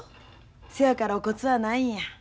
せやからお骨はないんや。